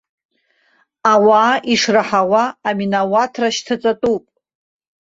Ауаа ишраҳауа аминауаҭра шьҭаҵатәуп.